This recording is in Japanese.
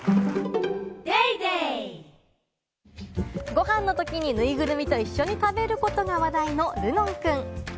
ご飯のときにぬいぐるみと一緒に食べることが話題の、るのんくん。